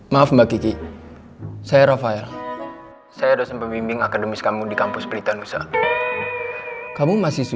maaf mbak kiki saya rafael saya dosen pemimpin akademis kamu di kampus pelitaan besar kamu masih